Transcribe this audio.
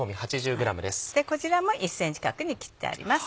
こちらも１ｃｍ角に切ってあります。